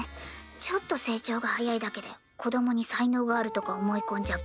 ちょっと成長が早いだけで子供に才能があるとか思い込んじゃうバカ親。